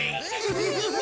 フフフフ。